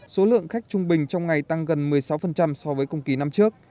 số lượng khách trung bình trong ngày tăng gần một mươi sáu so với công ký năm trước